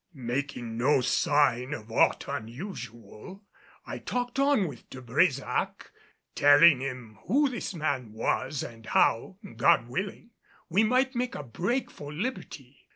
Making no sign of aught unusual I talked on with De Brésac, telling him who this man was and how, God willing, we might make a break for liberty.